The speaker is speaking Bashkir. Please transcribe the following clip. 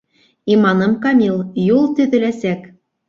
Иманым камил: юл төҙөләсәк.